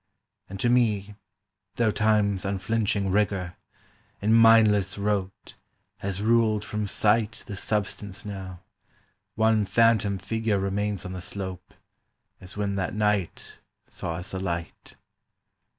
And to me, though Time's unflinching rigour, In mindless rote, has ruled from sight The substance now, one phantom figure Remains on the slope, as when that night Saw us alight.